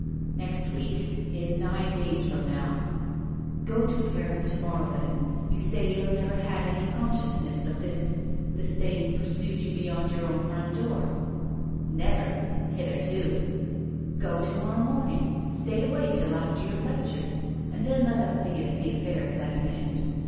"Next week. In nine days from now." PROFESSOR GUILDEA. 33 1 " Go to Paris to morrow then, you say you have never had any consciousness that this — this thing pursued you beyond your own front door! "" Never — hitherto." " Go to morrow morning. Stay away till after your lecture. And then let us see if the afTair is at an end.